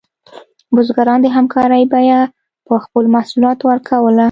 بزګران د همکارۍ بیه په خپلو محصولاتو ورکوله.